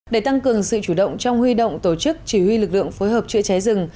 để tăng cường sự chủ động trong huy động tổ chức chỉ huy lực lượng phối hợp chữa cháy rừng